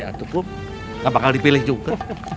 gak bakal dipilih juga